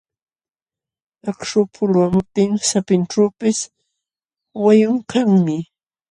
Akśhu pulwamutin sapinćhuupis wayun kanmi.